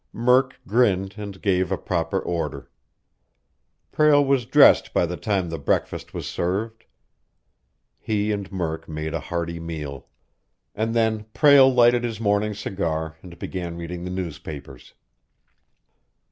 Murk grinned and gave a proper order. Prale was dressed by the time the breakfast was served. He and Murk made a hearty meal. And then Prale lighted his morning cigar and began reading the newspapers.